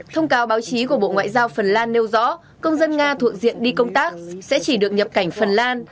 thông cáo báo chí của bộ ngoại giao phần lan nêu rõ công dân nga thuộc diện đi công tác sẽ chỉ được nhập cảnh phần lan